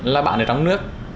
là bán ở trong nước